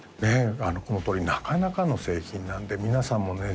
このとおりなかなかの製品なんで皆さんもね